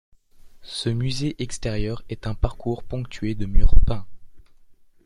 Ce musée extérieur est un parcours ponctué de murs peints.